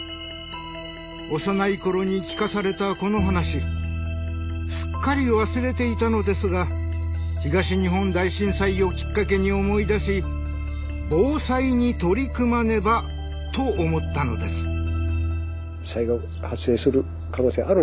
幼い頃に聞かされたこの話すっかり忘れていたのですが東日本大震災をきっかけに思い出し防災に取り組まねばと思ったのです。